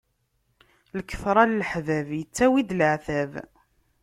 Lketṛa n leḥbab ittawi d laɛtab.